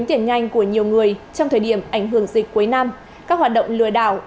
tiền nhanh của nhiều người trong thời điểm ảnh hưởng dịch cuối năm các hoạt động lừa đảo